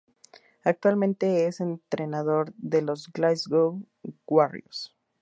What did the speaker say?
Actualmente es entrenador de los Glasgow Warriors.